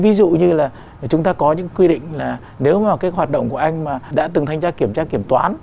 ví dụ như là chúng ta có những quy định là nếu mà cái hoạt động của anh mà đã từng thanh tra kiểm tra kiểm toán